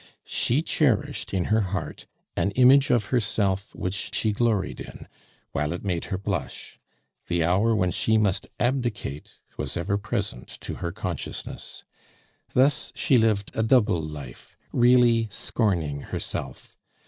She cherished in her heart an image of herself which she gloried in, while it made her blush; the hour when she must abdicate was ever present to her consciousness; thus she lived a double life, really scorning herself.